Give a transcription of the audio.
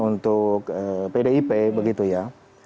untuk pdip begitu ya